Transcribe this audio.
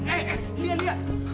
eh eh lia lia